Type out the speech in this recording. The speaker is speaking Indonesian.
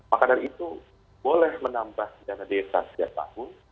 maka dari itu boleh menambah dana desa setiap tahun